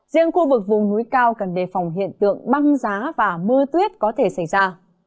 riêng khu vực vùng núi cao cần đề phòng hiện tượng băng giá và mưa tuyết có thể xảy ra